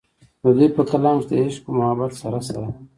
د دوي پۀ کلام کښې د عشق و محبت سره سره